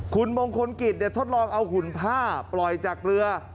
คุณมงคลกิจทดลองเอาหุ่นผ้าปล่อยจากเรือ